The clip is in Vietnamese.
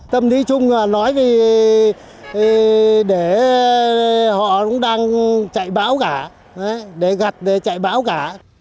tâm lý chung là nói thì để họ cũng đang chạy bão cả để gặt để chạy bão cả